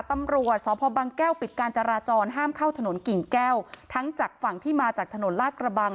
ตำรวจสพบังแก้วปิดการจราจรห้ามเข้าถนนกิ่งแก้วทั้งจากฝั่งที่มาจากถนนลาดกระบัง